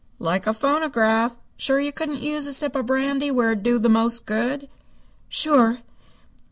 "Like a phonograph. Sure you couldn't use a sip of brandy where it'd do the most good?" "Sure."